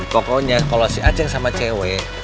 pokoknya kalau si aceh sama cewek